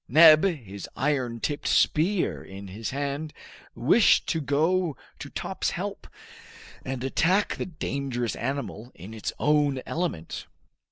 Neb, his iron tipped spear in his hand, wished to go to Top's help, and attack the dangerous animal in its own element.